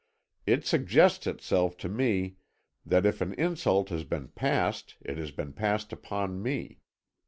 It suggests itself to me that if an insult has been passed it has been passed upon me.